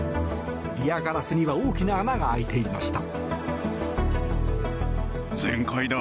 リアガラスには大きな穴が開いていました。